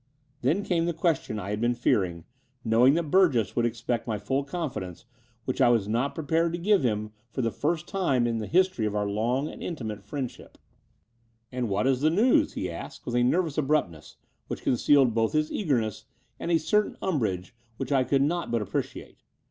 Then came the question I had been fearing, knowing that Burgess would expect my full confi dence, which I was not prepared to give him for 124 'I^ Door of the Unreal the first time in the history of our long and inti mate friendsh4>. "And what is your news?" he asked with a nervous abruptness, which concealed both his eagerness and a certain umbrage, which T cotild not but appreciate.